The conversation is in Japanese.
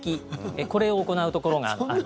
これを行うところがあるんです。